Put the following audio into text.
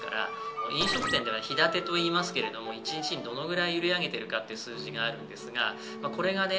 飲食店では日建てといいますけれども１日にどのぐらい売り上げてるかっていう数字があるんですがこれがね